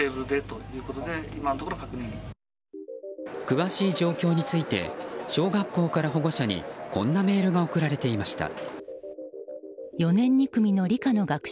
詳しい状況について小学校から保護者にこんなメールが送られていました。